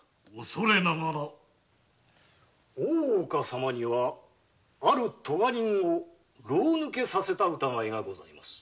恐れながら大岡様にはある科人を牢抜けさせた疑いがございます。